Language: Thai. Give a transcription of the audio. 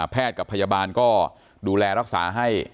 กับพยาบาลก็ดูแลรักษาให้